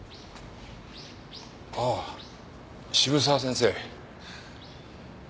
ああ渋沢先生。